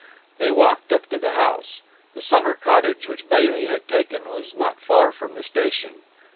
They walked up to the house. The summer cottage which Bailey had taken was not far from the station.